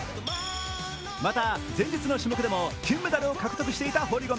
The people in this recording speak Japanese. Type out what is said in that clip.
また、前日の種目でも金メダルを獲得していた堀米。